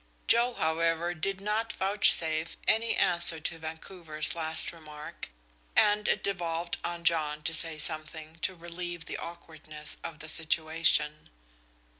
Joe, however, did not vouchsafe any answer to Vancouver's last remark, and it devolved on John to say something to relieve the awkwardness of the situation.